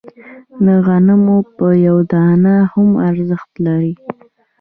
د غنمو یوه دانه هم ارزښت لري.